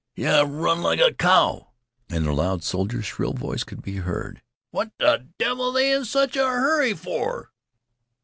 Yeh run like a cow." And the loud soldier's shrill voice could be heard: "What th' devil they in sich a hurry for?"